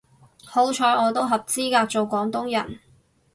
好彩我都合資格做廣東人